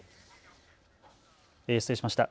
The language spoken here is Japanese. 失礼しました。